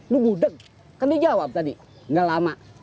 lu gudeg kan dia jawab tadi gak lama